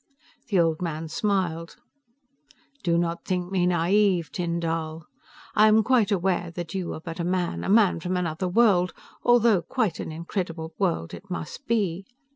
The old man smiled. "Do not think me naive, Tyn Dall. I am quite aware that you are but a man, a man from another world, although quite an incredible world it must be.